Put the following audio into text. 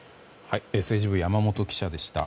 政治部山本記者でした。